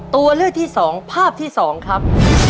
ตัวเลือกที่๒ภาพที่๒ครับ